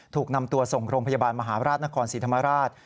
ถูกนำตัวส่งโรงพยาบาลมหาราชนครศรีธรรมราช